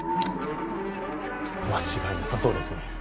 間違いなさそうですね。